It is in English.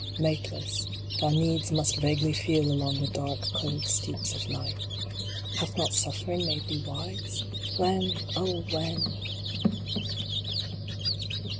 Mateless thou needs must vaguely feel along the dark, cold steeps of Night Hath not suffering made thee wise ? When, oh when